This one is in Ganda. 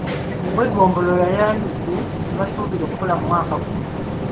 Ow’eggombolola yayanjudde bye basuubira okukola omwaka guno.